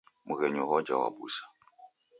Mghenyu hoja wabusa.